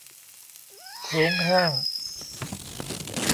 โขงแห้ง